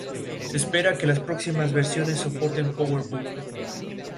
Tiene la apariencia de un ser humanoide con bazuca celestial.